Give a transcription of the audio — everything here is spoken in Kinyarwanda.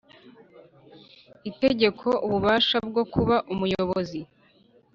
itegeko ububasha bwo kuba Umuyobozi